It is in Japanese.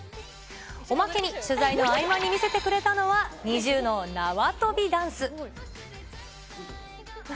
おまけに取材の合間に見せてくれたのは、ＮｉｚｉＵの縄跳びダンス。